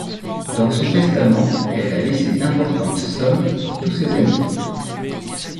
Dans son testament, elle a laissé d'importantes sommes pour tous ses amis.